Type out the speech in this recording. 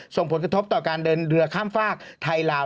ส่งผลกระทบต่อการเดินเรือข้ามฝากไทยลาว